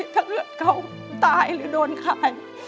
ถ้าเพื่อนเขาตายหรือโดนขาย